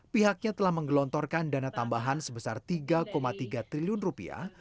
pihaknya telah menggelontorkan dana tambahan sebesar tiga tiga triliun rupiah